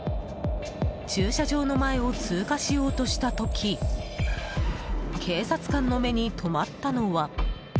駐車場の前を通過しようとした時警察官の目に留まったのは。